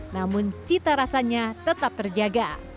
namun cita rasanya tetap terjaga